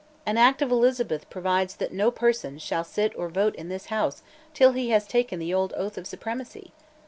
An Act of Elizabeth provides that no person shall sit or vote in this House till he has taken the old oath of supremacy.